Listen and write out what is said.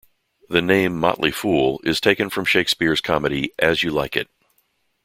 The name "Motley Fool" is taken from Shakespeare's comedy "As You Like It".